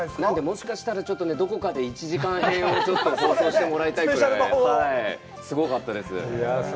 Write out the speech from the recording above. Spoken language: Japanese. もしかしたら、どこかで１時間編を放送してもらいたいぐらい、すごかったです。